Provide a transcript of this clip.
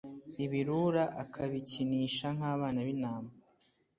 ibirura akabikinisha nk'abana b'intama